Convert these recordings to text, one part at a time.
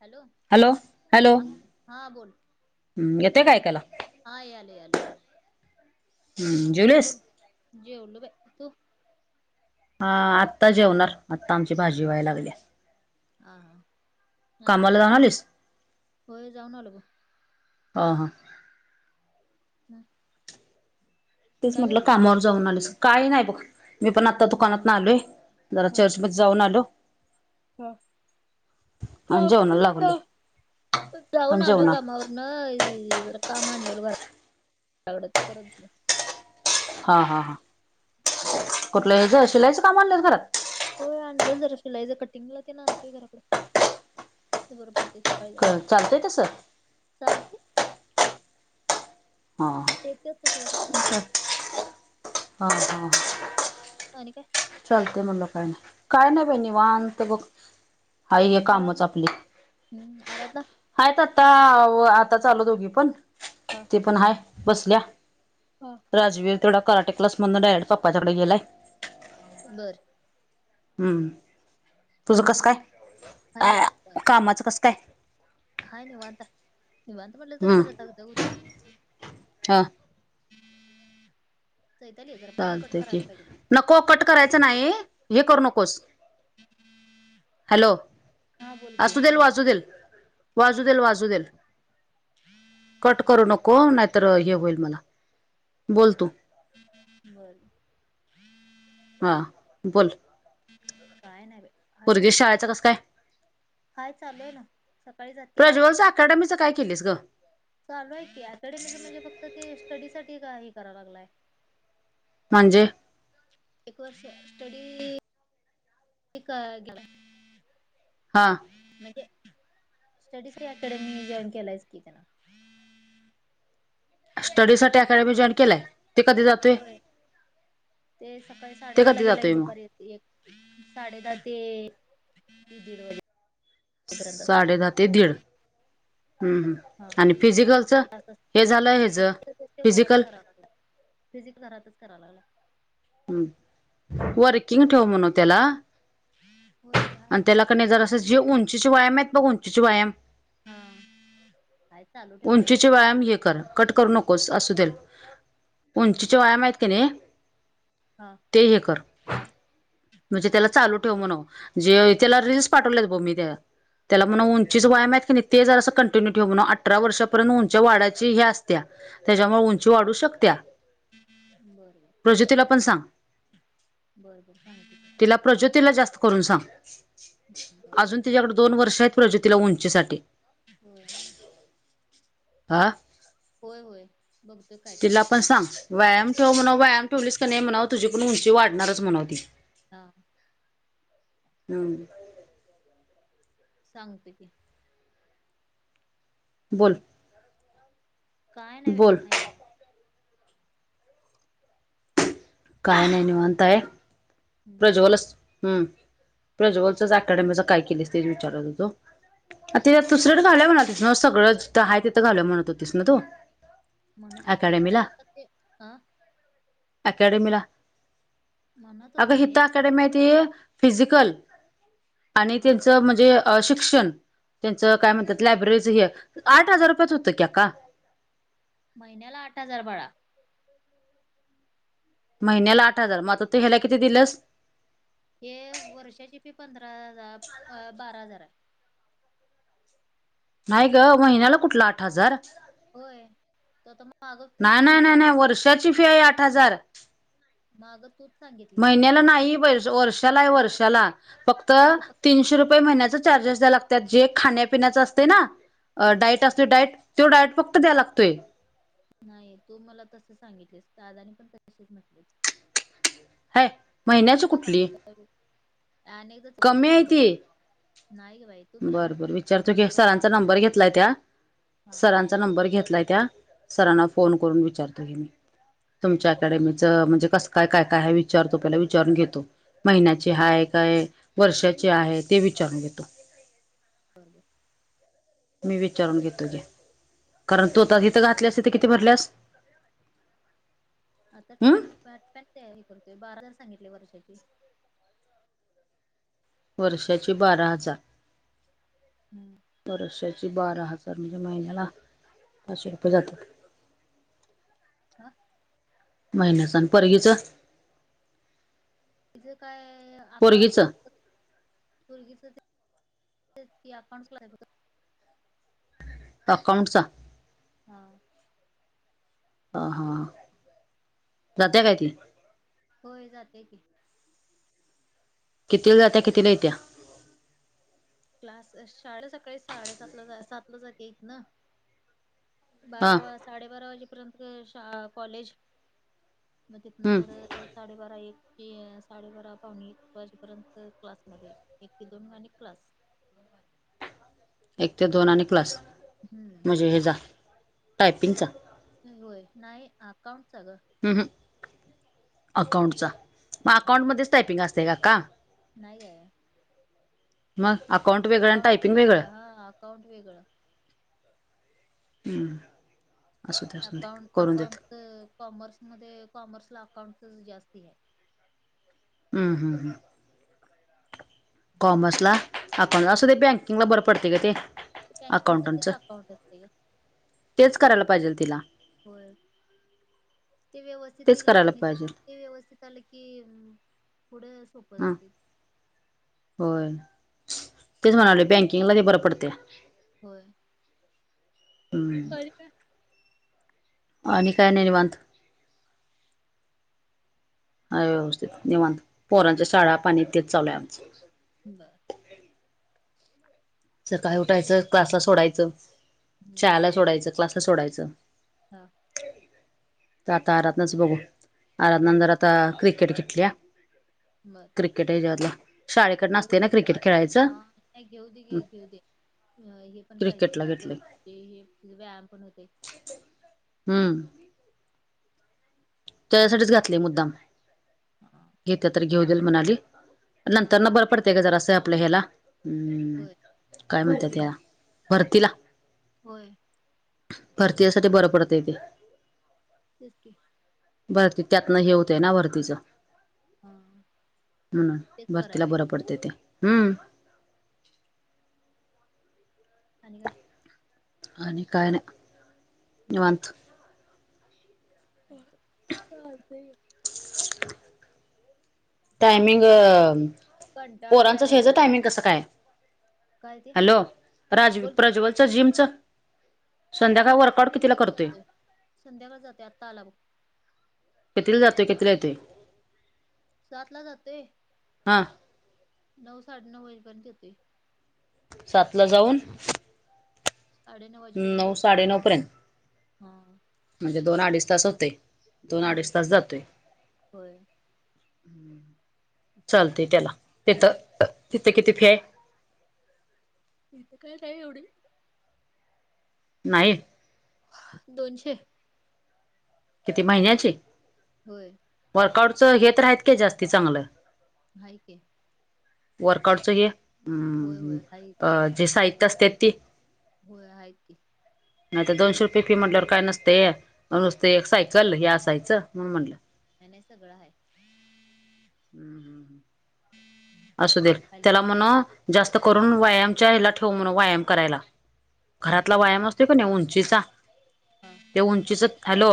Hello? Hello हा हा, बोल. हम्म! येते का ऐकायला? हा याले याले हम्म! जेवलीस? बोल जेवलो बाई, तू? हा, आत्ता जेवणार, आत्ता आमची भाजी व्हायला लागल्या. हा हा. आणि काय कामला जाऊन आलीस? होय जाऊन आलो बघ ह हां. ह तेच म्हटलं कामावर जाऊन आलेस, काही नाही बघ, मी पण आता दुकानातन आलोय, जरा हा चर्चमध्ये जाऊन आलो. हा. आणि जेवणाला [unintelligible] जा लागलोय आणि जाऊन आलो जेवणार कामावरन. ह ही, जरा का मांडलं [unintelligible] ते करत बसलो. हा हा हा, मग कुठलं हेज शिलायचं काम आणल्यास घरात? होय, होय आणलोय जरा शिलाईचं, कटिंगला तेन आणतोय घराकड. ते बर पडतय सकाळी [unintelligible] चालतंय तसं चालतय. हा येत्यात तसं घराकडं हा. [unintelligible] [inaudible] आणि काय? चालतय म्हणलं काय नाही, काय नाही बाई निवांत बघ. हाय हे कामच आराधना आपली हम्म आराधना आहेत आता, आताच आलो दोघी पण, हा ती पण हाय बसल्या. हा राजवीर तेवढा, कराटी क्लास डायरेक्ट पप्पांच्या कडे गेलाय. बरं. हम्, तुझं कसं काय? हाय बाई अ कामाचं कस काय हाय निवांत हाय, निवांत म्हटलं तर हम्म जरा धगधग होत्या. हा, हम् [inaudible] चैताली जरा. चालते की नको कट करायचं नाही हे करू नकोस. ह [inaudible] हॅलो असू देल वाजू देल वाजू देल वाजू देल. कट करू नको नाहीतर हे होईल मला बोलतू. बर. हा बोल. काय नाही बाय. पोरगीच्या शाळेयचा कस काय. हाय चालू हाय ना. सकाळी जात''--'' प्रज्वल अकॅडमीचं काय केलेस ग. चालू आहे की अकॅडमीच म्हणजे फक्त ते स्टडी साठी का हे करा लागलाय. म्हणजे. एक वर्ष स्टडी का ग. हां, म्हणजे स्टडीज अकॅडमीने जॉईन केलाइज कि त्यांना. स्टडी साठी अकॅडमी जॉईन केलाय. ते कधी जातोय होय ते सकाळी साडे ते दहा ला कधी गेला ग जातोय मग दुपारी येतोय. एक साडे दहा ते दीड वाजेपर्यंत. असते. साडे दहा ते दीड हम्म हम्म. हा आणि फिजिकलचं हे झालं हेच तेसते घराच फिजिकल कराग [unintelligible] फिजिक घरातच करा लागला. हम् वर किंग ठेव म्हण त्याला. होय हाय आणि की त्याला वर क नाही जरा असं जे उंचीचे व्यायाम आहेत बघ उंचीचे व्यायाम. ह, काय चालू. उंचीचे व्यायाम हे कर. कट करू नकोस असू देल उंचीचे व्यायाम आहेत की नाही. हा ते हे कर म्हणजे त्याला चालू ठेव बर म्हनाव. जे त्याला रिस पाठवलेत ब मी त्याला. त्याला म्हणव उंचीच व्यायाम आहेत की नाही ते जर असं कंटिन्यू ठेव म्हणावं आठ. अठरा वर्षापर्यंत उंच वाढायची ह असत्या त्याच्यामुळे उंची वाढू शकत्या. बर. प्रज्योतीला पण सांग. बर सांगते की. तिला प्रज्योतीला जास्त करून सांग. बर. तूझ्याकडे दोन वर्ष आहेत प्रजोतीला उंचीसाठी. हो, आ, होय होय बघतोय काय काय. तिला पण सांग व्यायाम ठेव म्हणव व्यायाम ठेवलीच का नाही म्हणव तुझी पण उंची वाढणारच म्हणवती. हा हम सांगते की हा बोल काय नाही बाई बोल हाय घरात काय नाही निवांत हाय हं, [unintelligible] हम प्रज्वलचच अकॅडमीच काय केलेस ते विचारत होतो आ ते दुसरंडे घाललं म्हणा होतीस ना सगळं जिथं आहे तिथ घालू म्हणत होतीस ना तू म्हणत होतं खर अकॅडमीला आता ते आ अकॅडमीला म्हणत अगं होतो हित मी अकॅडमी आहे ती फिजिकल आणि हा त्यांचं म्हणजे शिक्षण त्यांचं काय म्हणतात लायब्ररीचं हे आठ हजार रुपयात होतं की आक्का महिन्याला आठ हजार बाळा महिन्याला आठ हजार मग आ तू ह्याला किती दिल्यास हे वर्षाची फी पंधरा हजार अ बारा हजार हाय नाही ग महिन्याला कुठल आठ हजार होय त आता मग मागं नाही तूच म नाही नाही सांग [unintelligible] फी आहे आठ हजार मागतूच महिन्याला नाही वर्षाला आहे वर्षाला फक्त मग ते फक्त तीनशे रुपये महिन्याच चार्जस दयाला लागत्यात जे खाण्या पीन्याच असतंय ना अ हा डायट आस डायट तो डायट फक्त द्या लागतोय नाही तू मला तस सांगितलेस दादाने पण तसेच म्हटलेत हय बग आणि एकदा करून आणि एकदा कमी आहे ती बाई तू मला बर, बर म्हटलीस आता विचारतो ते घ्या सरांचा नंबर डोक्यात घेतलाय त्या हा सरां चा नंबर घेतलाय त्या सरांना फोन करून विचारतो की मी तुच्या बर अकॅडमी च म्हणजे कस काय, काय, काय विचारतो पहिला विचारून घेतो महिन्या हाय काय वर्षाची आहे ते विचारून घेतो बर, बर मी विचारून घेतो की कारण तू आता हीत घातलेस हम्म. तीत कित ति भरल्यास आता पन, हम्म पन ते हे करतोय बारा हजार सांगितले वर्षाची वर्षाची बारा हजार ह वर्षाची बारा हजार म्हणजे महिन्याला पाचशे रुपये जात्यात हा महिन्याचं आण पोरगीच तिचं काय अकाउंटचं पोरगीचं फक्त पोरगीच ते तेच की अकाउंट्स ला हय बघ अकाउंटचा हा ह हा जात्या कायती होय जात्या की कितीला जात्या कितीला येत्या? क्लास शाळेला सकाळी साडेसातला सातला जात्या इथन. हा बारा वा साडेबारा वाजेपर्यंत शा कॉलेज, म तिथन हम्म परत साडेबारा एक ते साडेबारा पावणे एक वाजेपर्यंत क्लासमध्ये, एक ते दोन आणि क्लास. एक ते दोन आणि क्लास. हम्म. म्हणजे हेजा टायपिंगचा. होय नाही अकाऊंटचा गं. उहु आकाऊंटचा म आकाऊंट मध्येच टायपिंग आसतय गं आक्का. नाही गं. म आकाऊंट आकाऊंटचं वेगळं हा आकाऊंट वेगळ. हम्म आसूदे आसूदे करून देत. त कॉमर्समध्ये कॉमर्सला आकाऊंटच जास्त हे हाय हुं, हुं, हुं, कॉमर्सला अकाऊंट आसुदे बँकिंगला बरं पडतय गं ते. ते अकाउंटंटचं बँकिंगसाठीच अकाऊंट असतय गं. तेच करायला [unintelligible] पाहिजेल तिला होय ते व्यवस्थित तेच निघलं करायला [unintelligible] पाहिजेल ते व्यवस्थित आलं की पुढं सोपं हां जाते. होय तेच म्हणालोय बँकिंगला ते बरं पडते. होय. [unintelligible] आणि काय नाही निवांत, हाय व्यवस्थित निवांत. पोरांच्या शाळा पाणी तेच चालू आहे आमचं. ब सकाळी उठायचं क्लासला सोडायचं, हम्म शाळेला सोडायचं, क्लासला सोडायचं. हा. ता तारातनच बघू. [unintelligible] हा. नंतर आता क्रिकेट घिटल्या बरं. क्रिकेट ह्याच्यातल शाळेकडन आसतय न जरा क्रिकेट खेळायचं? हा नाही घेऊ दे घे घेऊ दे हे पण पाहिजे क्रिकेटला फिट घेतले ते हे तिज व्यायाम पण होतय. हू हा त्यासाठीच घातले मुद्दाम हा घेत्या तर घेऊ देल म्हणाली हा नंतरन बरं पडतय गं जरासं आपलं हेला हू होय काय म्हणतात तेला? भरतीला. होय. भरतीयसाठी बरं पडतय ते. तेच की. भरती त्यातनं हे होतय ना भरतीचं. हा म्हणून तेच कराय भरतीला बाई बरं पडतय ते हम्म. आणि काय? आणि काय नाही निवांत. ह सलते [unintelligible] [inaudible] टायमिंग, कंटाळा आलाय पोरांचं मला श्याचं लय टायमिंग कसं काय? काय ते हॅलो, राज बोल की प्रज्वलच जिमच संध्याकाळी वर्कआउट कितीला करतोय. संध्याकाळी जातोय, आता आला बघ. कितीला जातोय, कितीला येतोय? सातला जातोय. हा. नऊ, साडे नऊ वाजेपर्यंत येतोय. सातला जाऊन साडेनऊ वाजेपर्यंत नऊ, येत साडेनऊ पर्यंत. हा म्हणजे दोन अडीच तास होतय, दोन होय अडीच तास जातोय. होय चालतय त्याला, तिथं, तिथं किती फि आहे? फीत काय नाही एवढी. नाही. दोनशे. किती महिन्याची? होय. वर्कआउटचं हे तर आहेत काय जास्ती चांगलं? हाय की. वर्कआउटच हे. होय अम्म होय हाय अ जे साहित्य असते ते? होय हायत की. नाही तर दोनशे रुपये फी म्हटल्यावर काय नसतेय. म नु स्त एक सायकल. हे असायचं. म्हणून म्हणलं. नाही नाही, सगळां हाय. हम्म, हम्म, हम्म. असू दे, हॅलो त्याला म्हणाव, जास्त करून व्यायामच्या हला ठेव म्हणाव. व्यायाम करायला. घरातला व्यायाम असतोय का नाही. उंचीचा. हा ते उंचीच, हॅलो.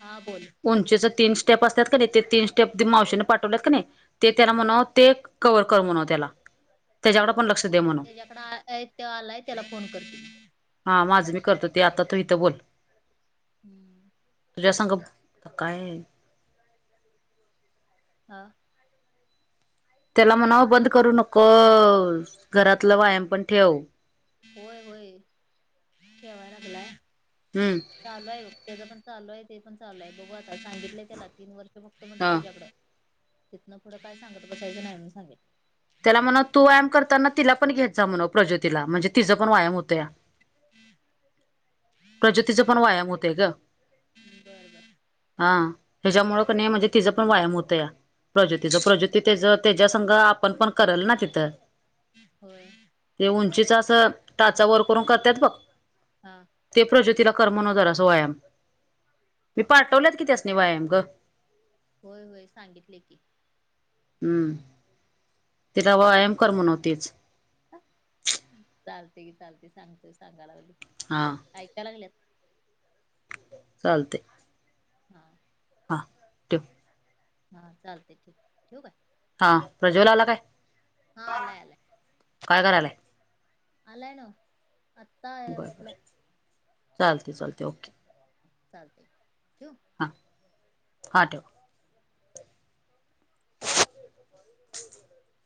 हा बोल उंचीच तीन स्टेप असतात का नाही. ते तीन स्टेप मावशीने पाठवलेत का नाही. ते त्याना म्हणाव ते कवर कर म्हणाव त्याला. त्याच्याकडे बर, पण लक्ष दे म्हणाव त्याच्याकड, तो आलाय त्याला फोन कर. हा माझ मी करतो ते, आता तू इथं बोल. हम्म. तुझ्या संग, काय? हा. त्याला म्हणावं बंद करू नकोस. घरातलं व्यायाम पण ठेव. होय होय, ठेवाय लागलाय. हम्म. चालूये बघ त्याच पण चालूये. ते पण चालूये. बघू आता सांगितलंय त्याला तीन वर्ष बगतो म्हणलोय ह तुझ्याकडं, तिथनं पुढं काय सांगत बसायच नाही मनुन सांगितलय. त्याला म्हणा तू व्यायाम करताना ति पण घेत जा म्हणव. प्रजोतीला. म्हणजे तिचां पण व्यायाम होतोया. प्रजोतीचा पण व्यायाम होतय ग. बर बर. हा त्याच्यामुळं क नाही म्हणजे तिचा पण व्यायाम होतया. प्रज्यतीच प्रज्यती त्याच त्याच्या संघ आपण पण करल ना तिथं. होय. ते उंचीच असं टाचा वर करून करतात बघ. हा.. ते प्रज्योतीला करमन व जरासं व्यायाम मी पाठवलेत कि त्या अस सांगते नी व्यायाम ग. होय, होय सांगितले की. हम्म. तिला व्यायाम कर म्हणवतीच चालते की चालते सांगते सांगायला लागलो हां.. कायका लागल्यात. चालते. हा. हा तव [inaudible] हा चालते की ठेवु काय? हा प्रजोला आला काय? हा आलाय आलाय काय करायलाय? आलाय ना. बरं, बर, चालते, चालते ओके. चालतय ठेवु? हां हां ठेव. [inaudible]